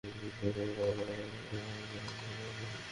Seat belt বেঁধে নিতে বলো।